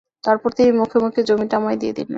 তারপর তিনি মুখে মুখে জমিটা আমায় দিয়ে দিলেন।